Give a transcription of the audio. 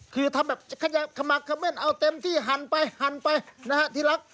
คือทำแบบขมักเอาเต็มที่หั่นไปหั่นไปนะครับทีลักษณ์